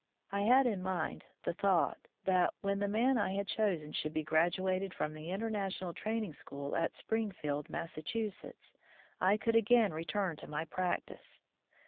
I had in mind the thought that, when the man I had chosen should be graduated from the International Training School at Springfield, Massachusetts, I could again return to my practice.